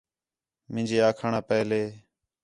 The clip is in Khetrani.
مینجے آکھݨ آ پہلے